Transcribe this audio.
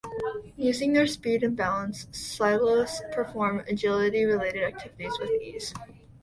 Using their speed and balance, Shilohs perform agility related activities with ease.